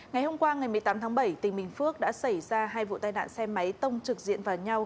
ngày hôm qua ngày một mươi tám tháng bảy tỉnh bình phước đã xảy ra hai vụ tai nạn xe máy tông trực diện vào nhau